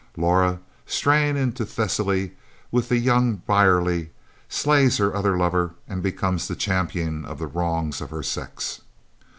Laura, straying into her Thessaly with the youth Brierly, slays her other lover and becomes the champion of the wrongs of her sex.